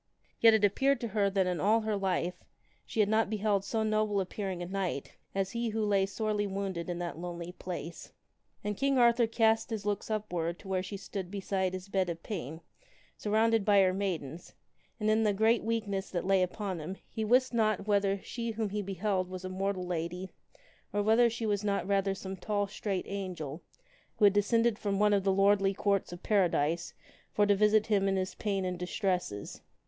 Yet it appeared to her that in all her life she had not beheld so noble appearing a knight as he who lay sorely wounded in that lonely place. And King Arthur cast his looks upward to where she stood beside his bed of pain, surrounded by her maidens, and in the great weakness that lay upon him he wist not whether she whom he beheld was a mortal lady or whether she was not rather some tall straight angel who had descended from one of the Lordly Courts of Paradise for to visit him in his pain and distresses.